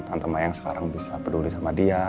tante mayang sekarang bisa peduli sama dia